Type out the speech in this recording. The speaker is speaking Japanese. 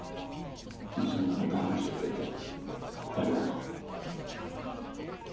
娘の事話してくれてありがとう。